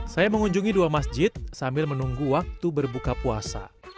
saya mengunjungi dua masjid sambil menunggu waktu berbuka puasa